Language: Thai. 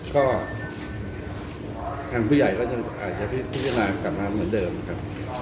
ก็ทางผู้ใหญ่ก็ยังอาจจะพิจารณากลับมาเหมือนเดิมครับ